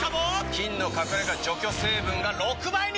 菌の隠れ家除去成分が６倍に！